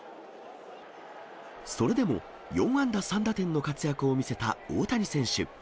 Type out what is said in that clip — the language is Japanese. それでも４安打３打点の活躍を見せた大谷選手。